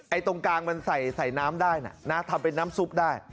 ตรงกลางมันใส่น้ำได้นะทำเป็นน้ำซุปได้